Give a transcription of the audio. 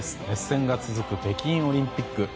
熱戦が続く北京オリンピック。